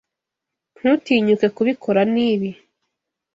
Ntutinyuke kubikora nibi.